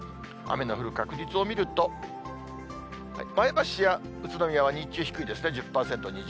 雨の降る確率を見ると、前橋や宇都宮は日中低いですね。